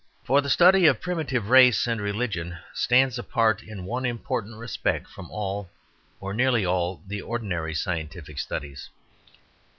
For the study of primitive race and religion stands apart in one important respect from all, or nearly all, the ordinary scientific studies.